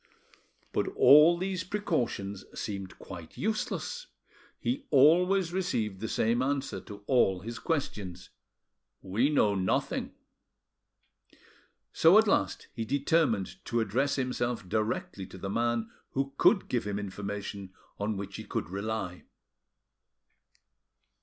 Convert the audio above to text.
But all these precautions seemed quite useless: he always received the same answer to all his questions, "We know nothing." So at last he determined to address himself directly to the man who could give him information on which he could rely.